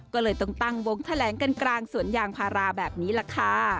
ก็เลยต้องตั้งวงแถลงกันกลางสวนยางพาราแบบนี้ล่ะค่ะ